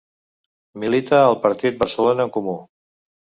Milita al partit Barcelona en Comú.